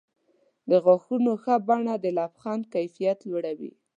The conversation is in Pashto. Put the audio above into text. د غاښونو ښه بڼه د لبخند کیفیت لوړوي.